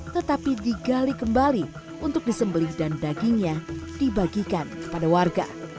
tetapi digali kembali untuk disembelih dan dagingnya dibagikan kepada warga